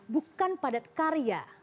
bukan padat karya